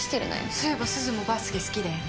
そういえばすずもバスケ好きだよね？